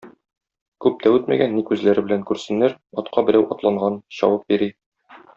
Күп тә үтмәгән, ни күзләре белән күрсеннәр, атка берәү атланган, чабып йөри.